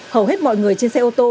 hầu hết mọi người trên xe ô tô